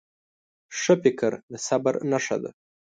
ښه فکر د صبر نښه ده.